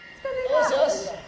・よしよし。